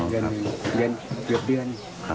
เดือนเดือน